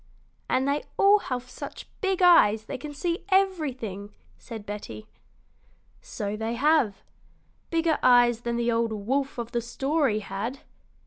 "And they all have such big eyes they can see everything," said Betty. "So they have bigger eyes than the old wolf of the story had."